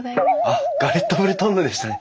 あっ「ガレットブルトンヌ」でしたね。